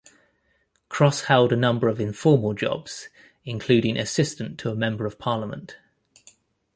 Cross held a number of informal jobs including assistant to a member of parliament.